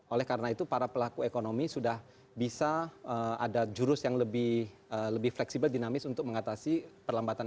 oleh karena itu para pelaku ekonomi sudah bisa ada jurus yang lebih fleksibel dinamis untuk mengatasi perlambatan